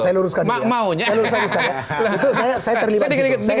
saya luruskan saya luruskan ya itu saya terlibat